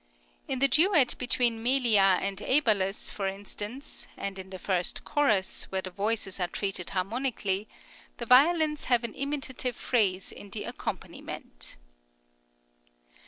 In the duet between Melia and Æbalus, for instance, and in the first chorus, where the voices are treated harmonically, the violins have an imitative phrase in the accompaniment.